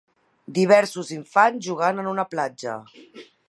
Diversos infants jugant en una platja.